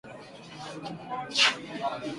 Kumi na nne